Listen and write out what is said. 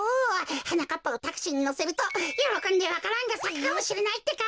はなかっぱをタクシーにのせるとよろこんでわか蘭がさくかもしれないってか！